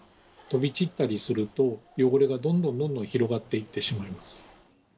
飛び散ったりすると、汚れがどんどんどんどん広がっていってしまいます。